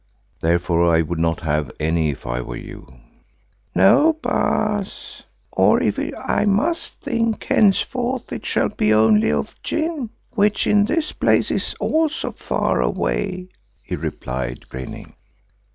Therefore I would not have any if I were you." "No, Baas, or if I must think, henceforth, it shall be only of gin which in this place is also far away," he replied, grinning.